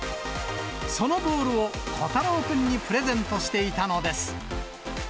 そのボールを虎太郎君にプレゼントしていたのです。